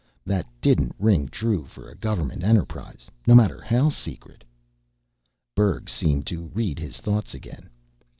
That didn't ring true for a government enterprise, no matter how secret. Berg seemed to read his thought again.